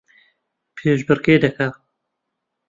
پێشبڕکێ دەکا